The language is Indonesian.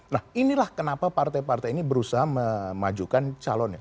nah inilah kenapa partai partai ini berusaha memajukan calonnya